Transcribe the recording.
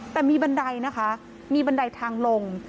แต่มีบันไดนะคะมีบันไดทางลง